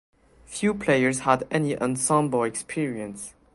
Few players had any ensemble experience.